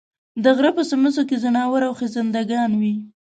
د غرۀ په څمڅو کې ځناور او خزندګان وي